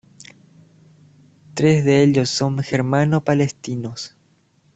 Tres de ellos son germano-palestinos.